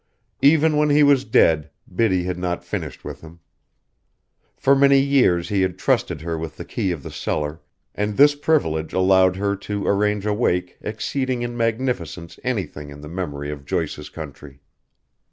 Even when he was dead, Biddy had not finished with him. For many years he had trusted her with the key of the cellar, and this privilege allowed her to arrange a wake exceeding in magnificence anything in the memory of Joyce's Country.